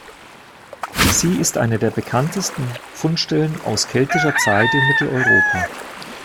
Sie ist eine der bekanntesten Fundstellen aus keltischer Zeit in Mitteleuropa.